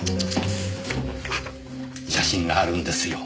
あっ写真があるんですよ。